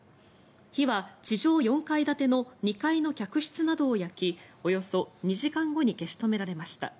火は地上４階建ての２階の客室などを焼きおよそ２時間後に消し止められました。